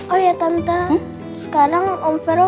oh iya tante sekarang om fero